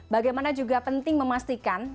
bagaimana juga penting memastikan